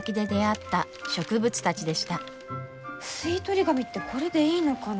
吸い取り紙ってこれでいいのかな？